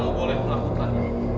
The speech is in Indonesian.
kamu boleh melakukan